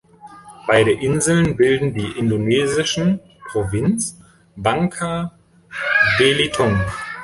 Beide Inseln bilden die indonesischen Provinz Bangka-Belitung.